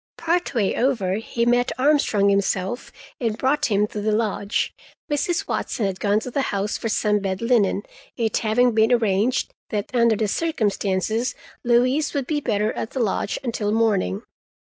Part way over he met Armstrong himself and brought him to the lodge. Mrs. Watson had gone to the house for some bed linen, it having been arranged that under the circumstances Louise would be better at the lodge until morning.